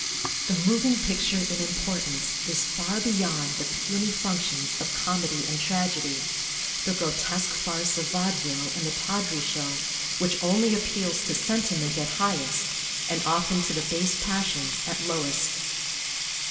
The moving picture in importance is far beyond the puny functions of comedy and tragedy. The grotesque farce of vaudeville and the tawdry show which only appeals to sentiment at highest and often to the base passions at lowest.